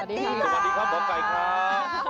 สวัสดีค่ะมกายครับ